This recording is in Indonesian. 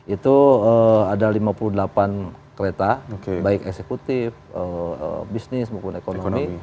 itu ada lima puluh delapan kereta baik eksekutif bisnis maupun ekonomi